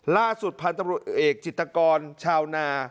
ล่าสุดพันธุ์ตำรวจเอกจิตกรชาวนา